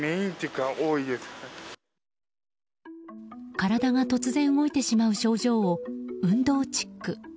体が突然動いてしまう症状を運動チック